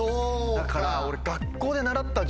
だから俺。